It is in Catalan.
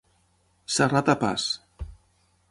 Ça rata pas.